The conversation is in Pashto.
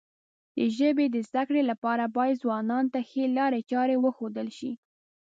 د ژبې د زده کړې لپاره باید ځوانانو ته ښې لارې چارې وښودل شي.